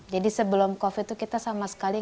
jadi sebelum covid itu kita sama sekali